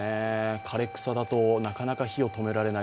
枯れ草だとなかなか火を止められない。